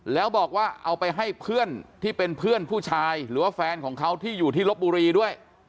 แล้วบอกว่าเอาไปให้เพื่อนที่เป็นเพื่อนผู้ชายหรือว่าแฟนของเขาที่อยู่ที่ลบบุรีด้วย